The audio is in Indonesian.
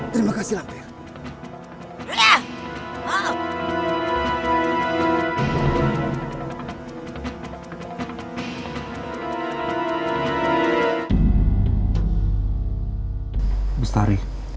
terima kasih lampir